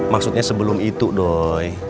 maksudnya sebelum itu doi